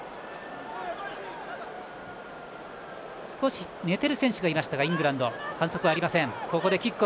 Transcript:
少し寝ている選手がいましたがイングランドに反則はありません。